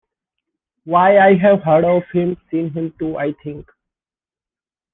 Why, I have heard of him — seen him too, I think.